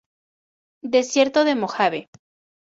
Desierto de Mojave.